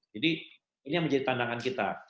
jadi ini yang menjadi tanda tanda